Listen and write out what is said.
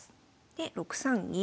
で６三銀。